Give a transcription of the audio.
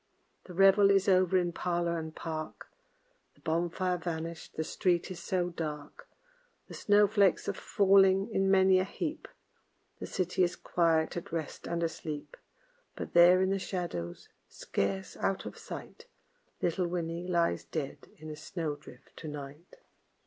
The revel is over in parlor and park, The bonfire vanished, the street is so dark; The snow flakes are falling in many a heap, The city is quiet, at rest, and asleep; But there in the shadows, scarce out of sight, Little Winnie lies dead in a snow drift to night.